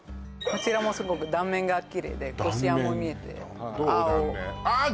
こちらもすごく断面がキレイでこしあんも見えて断面どう？